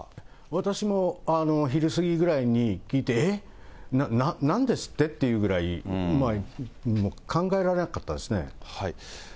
私も昼過ぎぐらいに聞いて、えっ、なんで吸ってっていうぐらい、もう考えられなかったですね。